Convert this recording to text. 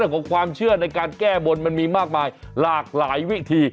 ของความเชื่อในการแก้บนมันมีมากมายหลากหลายวิธี